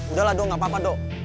udahlah doh gak apa apa dok